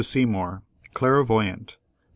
SEYMOUR, CLAIRVOYANT, No.